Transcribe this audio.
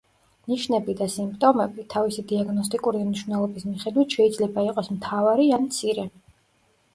ნიშნები და სიმპტომები, თავისი დიაგნოსტიკური მნიშვნელობის მიხედვით შეიძლება იყოს მთავარი ან მცირე.